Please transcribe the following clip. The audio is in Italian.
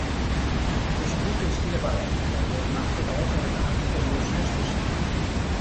È costruito in stile barocco, ed ornato da opere d'arte dello stesso stile.